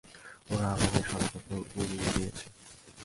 ওরা আমাদের সদর দপ্তর উড়িয়ে দিয়েছে!